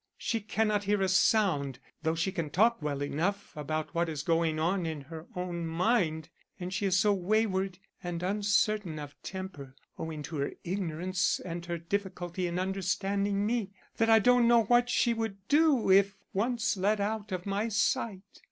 She cannot hear a sound, though she can talk well enough about what is going on in her own mind, and she is so wayward and uncertain of temper, owing to her ignorance and her difficulty in understanding me, that I don't know what she would do if once let out of my sight.